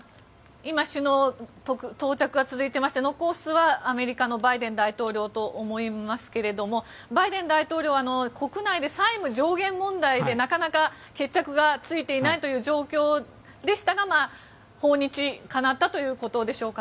今、首脳の到着が続いていまして残すはアメリカのバイデン大統領と思いますけれどバイデン大統領は国内で債務上限問題でなかなか決着がついていないという状況でしたが訪日かなったということでしょうか。